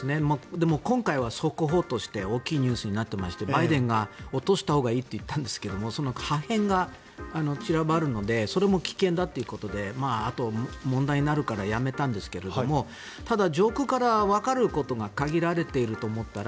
でも、今回は速報として大きいニュースになっていましてバイデンが落としたほうがいいって言ったんですけどその破片が散らばるのでそれも危険だということであと、問題になるからやめたんですけれどもただ、上空からわかることが限られていると思ったら